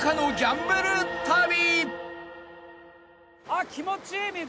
あっ気持ちいい水！